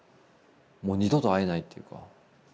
もう二度と会えないっていうか。